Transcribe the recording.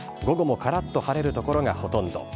午後もからっと晴れる所がほとんど。